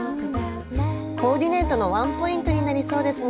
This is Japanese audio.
コーディネートのワンポイントになりそうですね。